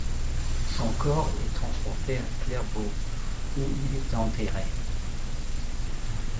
Son corps est transporté à Clairvaux, où il est enterré.